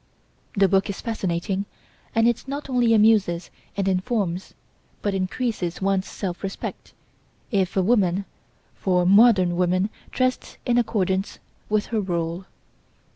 The book is fascinating and it not only amuses and informs, but increases one's self respect, if a woman, for modern woman dressed in accordance with her rôle.